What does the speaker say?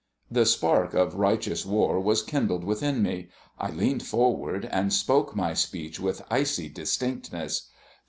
The spark of righteous war was kindled within me. I leaned forward, and spoke my speech with icy distinctness.